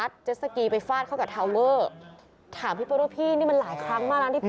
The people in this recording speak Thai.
ดีขึ้นกว่าเมื่อวาน